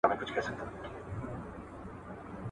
• بې چرگه به هم سبا سي.